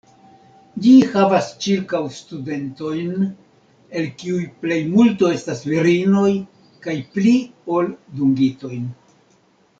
Ĝi havas ĉirkaŭ studentojn, el kiuj plejmulto estas virinoj, kaj pli ol dungitojn.